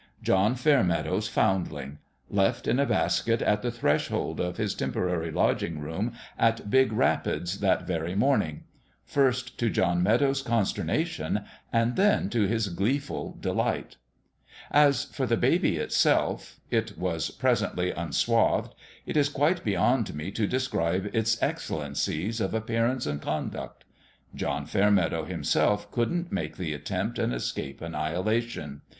John Fairmeadow's found ling: left in a basket at the threshold of his temporary lodging room at Big Rapids that very morning first to John Fairmeadow's con sternation, and then to his gleeful delight. As for the baby itself it was presently unswathed it is quite beyond me to describe its excellencies of appearance and conduct. John Fairmeadow himself couldn't make the attempt and escape annihilation.